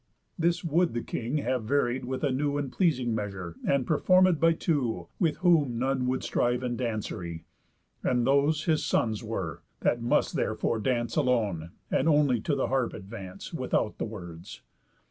This would the king have varied with a new And pleasing measure, and performéd by Two, with whom none would strive in dancery; And those his sons were, that must therefore dance Alone, and only to the harp advance, Without the words.